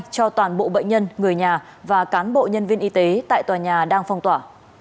cho toàn bộ bệnh nhân người nhà và cán bộ nhân viên y tế tại tòa nhà đang phong tỏa